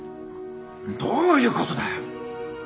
どういうことだよ！？